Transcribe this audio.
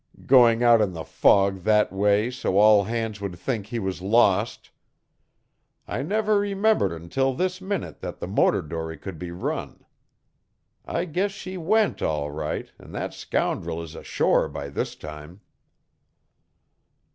"Going out in the fog that way so all hands would think he was lost! I never remembered until this minute that the motor dory could be run. I guess she went, all right, and that scoundrel is ashore by this time."